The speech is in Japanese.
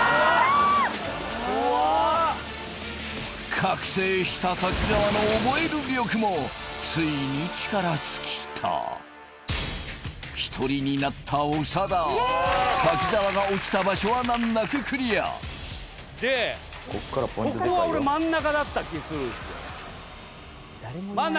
覚醒した滝沢のオボエる力もついに力尽きた１人になった長田滝沢が落ちた場所は難なくクリアでここは俺真ん中だった気するんすよ